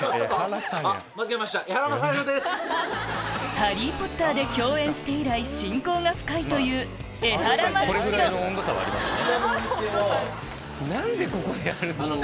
『ハリー・ポッター』で共演して以来親交が深いというエハラマサヒロあのね。